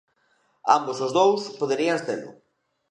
Ambos os dous poderían selo.